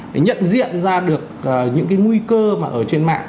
để nhận diện ra được những cái nguy cơ mà ở trên mạng